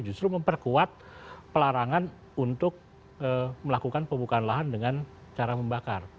justru memperkuat pelarangan untuk melakukan pembukaan lahan dengan cara membakar